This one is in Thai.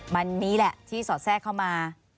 วันนี้แหละที่สอดแทรกเข้ามา